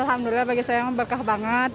alhamdulillah bagi saya berkah banget